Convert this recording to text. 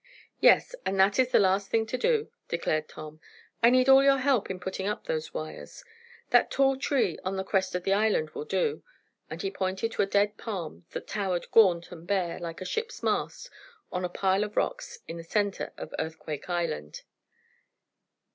"Yes, and that is the last thing to do," declared Tom. "I need all your help in putting up those wires. That tall tree on the crest of the island will do," and he pointed to a dead palm that towered gaunt and bare like a ship's mast, on a pile of rocks in the centre of Earthquake Island.